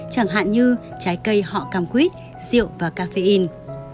chẳng hạn như trái cây họ cam quýt rượu và caffeine